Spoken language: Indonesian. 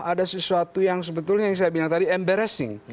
ada sesuatu yang sebetulnya yang saya bilang tadi emberesing